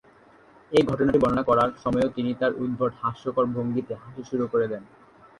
এই ঘটনাটি বর্ণনা করার সময়ই তিনি তার উদ্ভট হাস্যকর ভঙ্গিতে হাসি শুরু করে দেন।